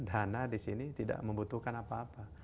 dana disini tidak membutuhkan apa apa